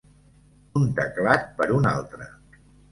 Un teclat per un altre.